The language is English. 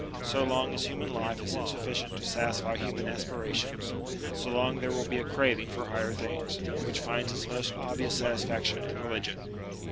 So long as human life is insufficient to satisfy human aspirations, so long there will be a craving for higher things, which finds its most obvious satisfaction in religion.